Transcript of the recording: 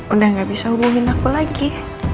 udah gak bisa hubungin aku lagi